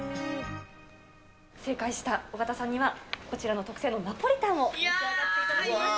正解した尾形さんには、こちらの特製のナポリタンを召し上がっていただきます。